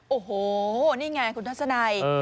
โอ้โหนี่ไงคุณทัศนัย